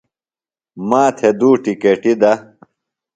ما تھےۡ دُو ٹکیٹِیۡ دہ ـ